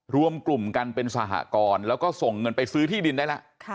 รวมกลุ่มกันเป็นสหกรณ์แล้วก็ส่งเงินไปซื้อที่ดินได้แล้ว